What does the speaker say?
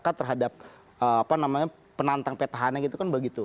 dukungan terhadap masyarakat terhadap penantang petahannya gitu kan begitu